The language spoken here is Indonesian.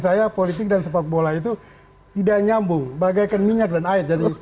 saya politik dan sepak bola itu tidak nyambung bagaikan minyak dan air